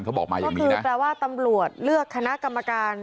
เขาบอกมาอย่างนี้คือแปลว่าตำรวจเลือกคณะกรรมการ